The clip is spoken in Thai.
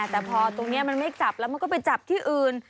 แต่พอตรงนี้มันไม่จับแล้วมันก็ไปจับที่อื่น